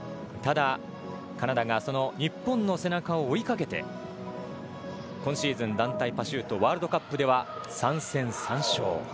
ただ、カナダがその日本の背中を追いかけて今シーズン、団体パシュートワールドカップでは３戦３勝。